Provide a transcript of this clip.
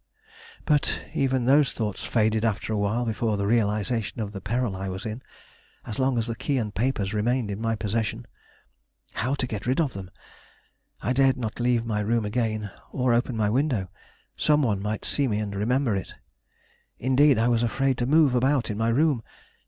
But even those thoughts faded after a while before the realization of the peril I was in as long as the key and papers remained in my possession. How to get rid of them! I dared not leave my room again, or open my window. Some one might see me and remember it. Indeed I was afraid to move about in my room.